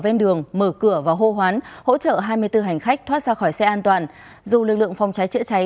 bên đường mở cửa và hô hoán hỗ trợ hai mươi bốn hành khách thoát ra khỏi xe an toàn dù lực lượng phòng cháy chữa cháy